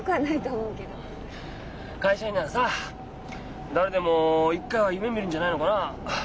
会社員ならさ誰でも一回は夢みるんじゃないのかなあ。